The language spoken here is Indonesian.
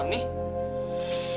lu ngapain kesini